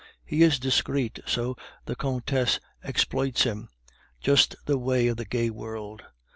He is discreet, so the Countess exploits him just the way of the gay world.